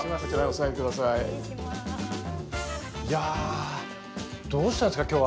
いやどうしたんですか今日は。